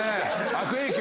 悪影響。